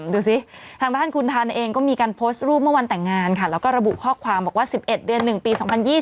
ดูสิทางด้านคุณทันเองก็มีการโพสต์รูปเมื่อวันแต่งงานค่ะแล้วก็ระบุข้อความบอกว่า๑๑เดือน๑ปี๒๐๒๐